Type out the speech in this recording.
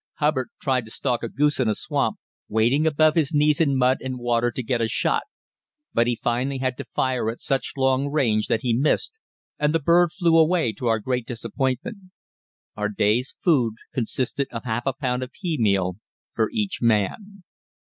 Hubbard tried to stalk a goose in a swamp, wading above his knees in mud and water to get a shot; but he finally had to fire at such long range that he missed, and the bird flew away, to our great disappointment. Our day's food consisted of half a pound of pea meal for each man.